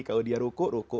kalau dia ruku ruku